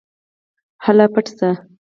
هله پټ شه.